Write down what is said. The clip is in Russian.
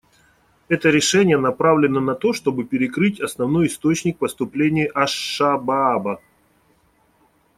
Это решение направлено на то, чтобы перекрыть основной источник поступлений «АшШабааба».